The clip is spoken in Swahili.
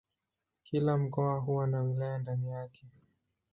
Kila mkoa huwa na wilaya ndani yake.